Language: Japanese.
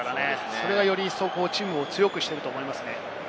それをより一層チームを強くしていると思います。